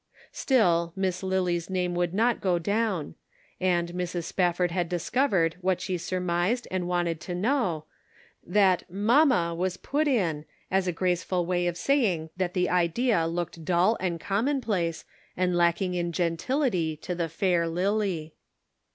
" Still, Miss Lily's name would not go down ; and Mrs. Spafford had discovered what she surmised and wanted to know ; that " mamma " was put in, as a grace ful way of saying that the idea looked dull and commonplace, and lacking in gentility to the fair Lily.